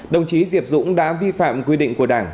đồng chí diệp dũng đã vi phạm quy định của đảng